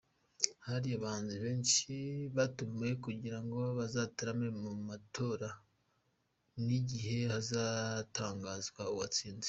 Hari abahanzi benshi batumiwe kugira ngo bazatarame mu matora n’igihe hazatangazwa uwatsinze.